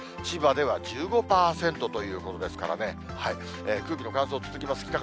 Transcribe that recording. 千葉では１５％ということですからね、空気の乾燥続きます。